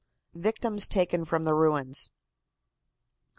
VICTIMS TAKEN FROM THE RUINS.